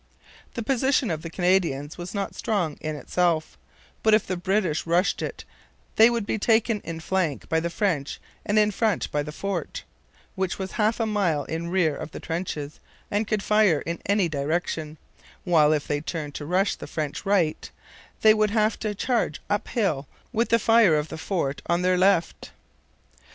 The position of the Canadians was not strong in itself; but if the British rushed it they would be taken in flank by the French and in front by the fort, which was half a mile in rear of the trenches and could fire in any direction; while if they turned to rush the French right, they would have to charge uphill with the fire of the fort on their left.